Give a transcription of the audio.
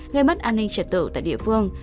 gây mất an ninh trật tự tại địa phương